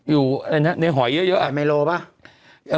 อยู่อะไรนะในหอยเยอะไข่เมล็อป่ะ